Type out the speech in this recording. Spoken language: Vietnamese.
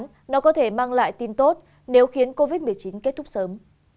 đại dịch có thể mang lại tin tốt nếu khiến covid một mươi chín kết thúc sớm